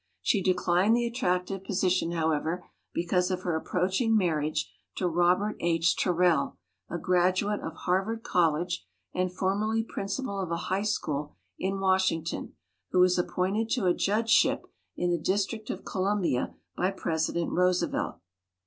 She declined the attractive po sition, however, because of her approaching marriage to Robert H. Terrell, a graduate of Harvard College and formerly principal of a high school in Washington, who was appointed to a judgeship in the District of Columbia by President Roosevelt.